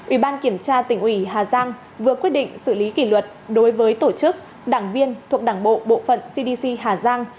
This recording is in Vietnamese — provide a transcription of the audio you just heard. ủy ban kiểm tra tỉnh ủy hà giang vừa quyết định xử lý kỷ luật đối với tổ chức đảng viên thuộc đảng bộ bộ phận cdc hà giang